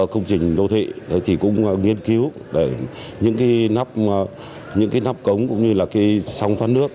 công trình đô thị thì cũng nghiên cứu để những cái nắp những cái nắp cống cũng như là cái sông thoát nước